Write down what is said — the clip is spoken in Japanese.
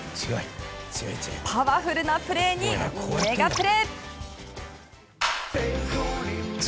パワフルなプレーにメガプレ。